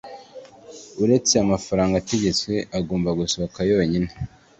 Uretse amafaranga ategetswe agomba gusohoha yonyine